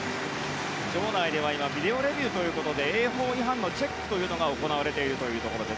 場内ではビデオレビューということで泳法違反のチェックが行われているところです。